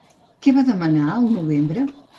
Què va demanar al novembre?